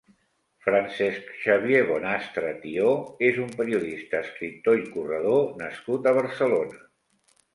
Francesc Xavier Bonastre Thió és un periodista, escriptor i corredor nascut a Barcelona.